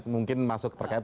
mungkin masuk terkait